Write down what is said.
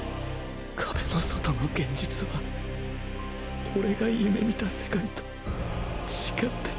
壁の外の現実はオレが夢見た世界と違ってた。